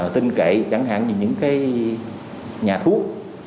tinh cậy chẳng hạn như những nhà thuốc